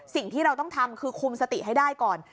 สิ่งที่เราต้องทำคือคุมสติให้ได้ก่อน